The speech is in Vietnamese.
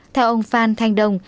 theo ông phan thanh đông